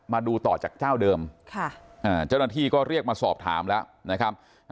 มาดูต่อจากเจ้าเดิมเจ้าหน้าที่ก็เรียกมาสอบถามแล้วนะครับ